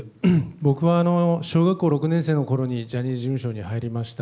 僕は小学校６年生のころにジャニーズ事務所に入りました。